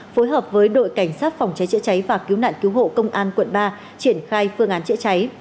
phối hợp với đội cảnh sát phòng cháy chữa cháy và cứu nạn cứu hộ công an quận ba triển khai phương án chữa cháy